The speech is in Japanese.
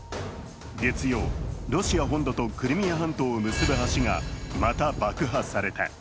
月曜、ロシア本土とクリミア半島を結ぶ橋がまた爆破された。